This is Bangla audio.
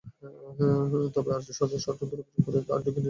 তবে আরজুর স্বজনদের অভিযোগ, আরজুকে ধরে নিয়ে র্যাব গুলি করে হত্যা করেছে।